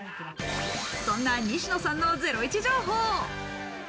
そんな西野さんのゼロイチ情報。